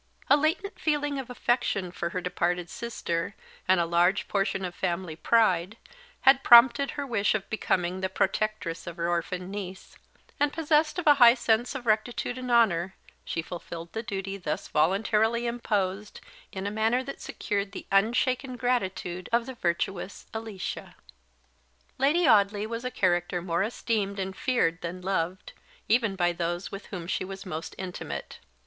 A latent feeling of affection for her departed sister, and a large portion of family pride, had prompted her wish of becoming the protectress of her orphan niece; and, possessed of a high sense of rectitude and honour, she fulfilled the duty thus voluntarily imposed in a manner that secured the unshaken gratitude of the virtuous Alicia. Lady Audley was a character more esteemed and feared than loved, even by those with whom she was most intimate.